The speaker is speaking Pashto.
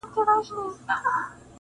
چي شاگرد وي چي مکتب چي معلمان وي -